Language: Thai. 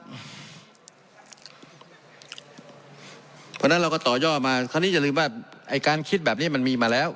เพราะฉะนั้นเราก็ต่อย่อมาคราวนี้อย่าลืมว่าไอ้การคิดแบบนี้มันมีมาแล้ว